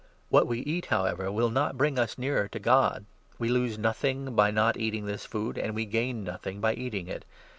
What we eat, however, will not 8 bring us nearer to God. We lose nothing by not eating this food, and we gain nothing by eating it.